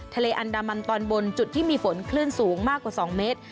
ทะเลอันดามันตอนบนจุดที่มีฝนคลื่นสูงมากกว่า๒เมตร